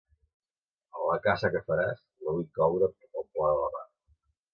La caça que faràs, la vull coure al pla de la mà.